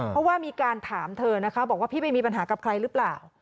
เพราะว่ามีการถามเธอนะคะบอกว่าพี่ไปมีปัญหากับใครหรือเปล่า